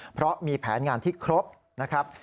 เพราะมีแผนงานที่ครบนะครับ